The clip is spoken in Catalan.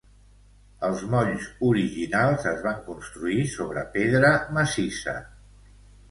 Els molls originals es van construir sobre pedra massissa.